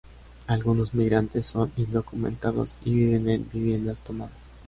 Algunos migrantes son indocumentados y viven en viviendas tomadas.